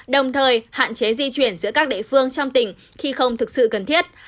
đồng thời hạn chế di chuyển giữa các địa phương trong tỉnh khi không thực sự cần thiết